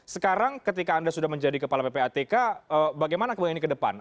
sekarang ketika anda sudah menjadi kepala ppatk bagaimana kemudian ini ke depan